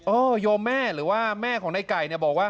โยมแม่หรือว่าแม่ของในไก่เนี่ยบอกว่า